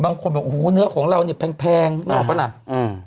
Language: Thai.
บางคนบอกโอ้โหเนื้อของเราเนี่ยแพงแพงนึกออกปะล่ะอืม